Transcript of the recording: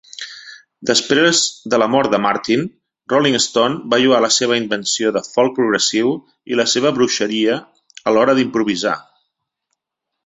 Després de la mort de Martyn, "Rolling Stone" va lloar la seva "invenció de folk progressiu i la seva bruixeria a l"hora d"improvisar".